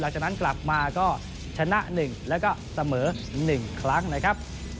หลังจากนั้นกลับมาก็ชนะ๑แล้วก็เสมอ๑ครั้งนะครับ